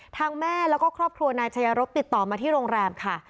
ทางแม่แล้วก็ครอบครัวนายชายรบติดต่อมาที่โรงแรมค่ะ